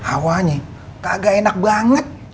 awanya kagak enak banget